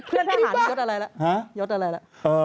เพื่อนทหารที่ยดอะไรล่ะ